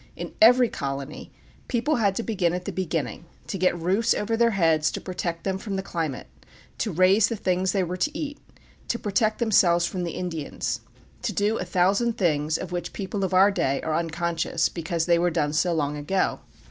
In every colony people had to begin at the beginning, to get roofs over their heads to protect them from the climate, to raise the things they were to eat, to protect themselves from the Indians, to do a thousand things of which people of our day are unconscious because they were done so long ago.